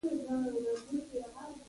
د ټولنیزو ارزښتونو د ساتنې لپاره کار کوي.